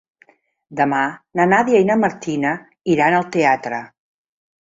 Demà na Nàdia i na Martina iran al teatre.